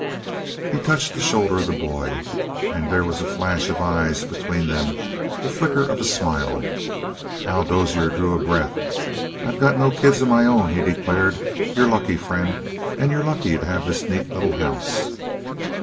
He touched the shoulder of the boy and there was a flash of eyes between them, the flicker of a smile. Hal Dozier drew a breath. "I got no kids of my own," he declared. "You're lucky, friend. And you're lucky to have this neat little house."